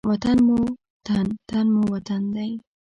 وطن مو تن، تن مو وطن دی.